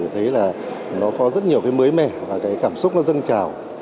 thấy là nó có rất nhiều cái mới mẻ và cái cảm xúc nó dâng trào